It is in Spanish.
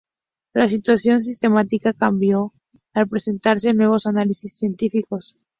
La situación sistemática cambió al presentarse nuevos análisis científicos.